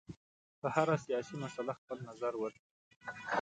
په هره سیاسي مسله خپل نظر ورکړي.